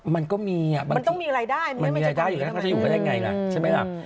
มันก็มีอ่ะมันต้องมีรายได้มันจะทำอย่างนี้ทำไม